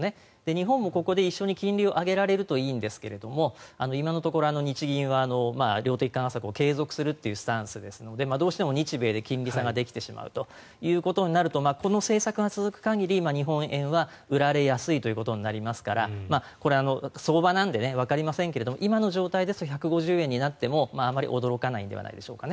日本もここで一緒に金利を上げられるといいんですが今のところ日銀は量的緩和策を継続するというスタンスですのでどうしても日米で金利差ができてしまうということになるとこの政策が続く限り日本円は売られやすいということになりますからこれは相場なのでわかりませんが今の状態ですと１５０円になってもあまり驚かないのではないでしょうか。